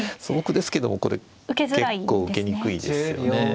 素朴ですけどもこれ結構受けにくいですよね。